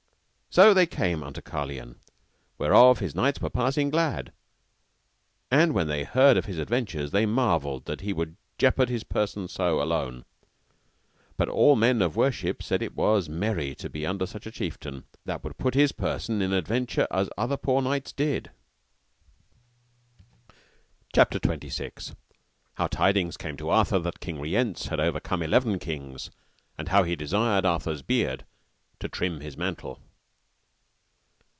So they came unto Carlion, whereof his knights were passing glad. And when they heard of his adventures, they marvelled that he would jeopard his person so, alone. But all men of worship said it was merry to be under such a chieftain, that would put his person in adventure as other poor knights did. CHAPTER XXVI. How tidings came to Arthur that King Rience had overcome eleven kings, and how he desired Arthur's beard to trim his mantle.